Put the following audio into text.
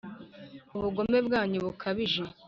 ubugome bwanyu bukabije;